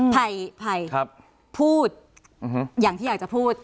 ไผ่พูดอย่างที่อยากจะพูด